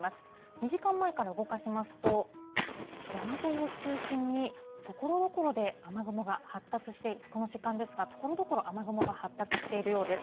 ２時間前から動かしますと、山沿いを中心に、ところどころで雨雲が発達して、この時間ですが、ところどころ雨雲が発達しているようです。